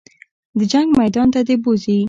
د جنګ میدان ته دې بوځي.